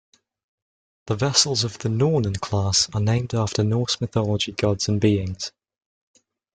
The vessels of the "Nornen" class are named after Norse mythology gods and beings.